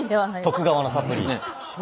徳川のサプリね。